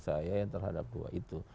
saya terhadap dua itu